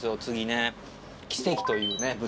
次ね『奇蹟』というね